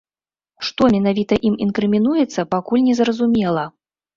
Што менавіта ім інкрымінуецца, пакуль незразумела.